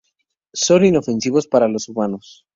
Son inofensivos para los humanos.